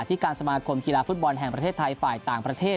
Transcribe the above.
ที่การสมาคมกีฬาฟุตบอลแห่งประเทศไทยฝ่ายต่างประเทศ